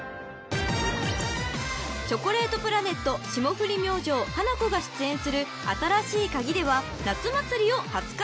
［チョコレートプラネット霜降り明星ハナコが出演する『新しいカギ』では夏祭りを初開催］